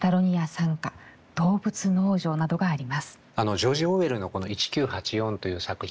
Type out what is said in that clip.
ジョージ・オーウェルのこの「１９８４」という作品はですね